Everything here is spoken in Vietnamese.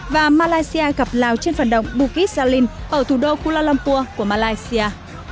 và malaysia gặp lào trên vận động bukit jalil ở thủ đô kuala lumpur của malaysia